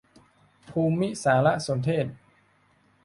ภูมิสารสนเทศ